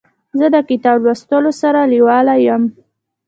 زه د کتاب لوستلو سره لیواله یم.